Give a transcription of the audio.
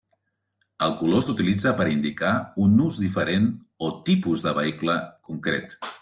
El color s'utilitza per indicar un ús diferent o tipus de vehicle concret.